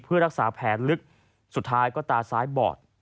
เพื่อรักษาแผลลึกสุดท้ายก็ตาซ้ายบอด